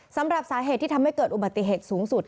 สำหรับสาเหตุที่ทำให้เกิดอุบัติเหตุสูงสุด